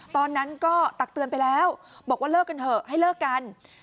ตอนนั้นก็ตักเตือนไปแล้วบอกว่าเลิกกันเถอะให้เลิกกัน